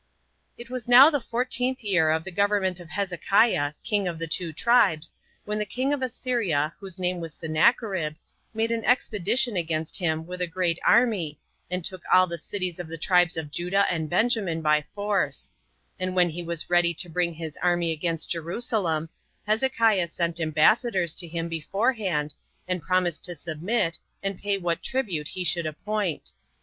1. It was now the fourteenth year of the government of Hezekiah, king of the two tribes, when the king of Assyria, whose name was Sennacherib, made an expedition against him with a great army, and took all the cities of the tribes of Judah and Benjamin by force; and when he was ready to bring his army against Jerusalem, Hezekiah sent ambassadors to him beforehand, and promised to submit, and pay what tribute he should appoint.